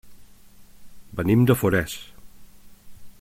Venim de Forès.